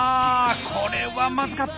これはまずかった！